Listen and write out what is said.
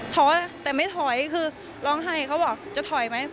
ถอยแต่ไม่ถอยคือร้องไห้เขาบอกจะถอยไหม